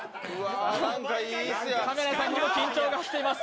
カメラさんにも緊張が走ってます。